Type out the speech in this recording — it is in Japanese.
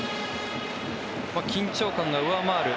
緊張感が上回る。